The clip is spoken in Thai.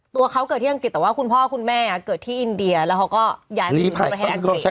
ตัวเขาเกิดที่อังกฤษแต่ว่าคุณพ่อคุณแม่อ่ะเกิดที่อินเดียแล้วเขาก็